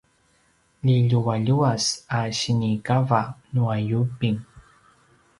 liljualjuas a sinikava nua yubing